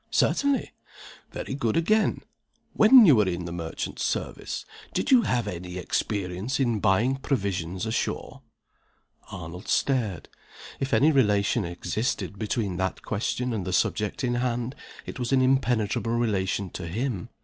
"Certainly!" "Very good again. When you were in the merchant service, did you ever have any experience in buying provisions ashore?" Arnold stared. If any relation existed between that question and the subject in hand it was an impenetrable relation to him.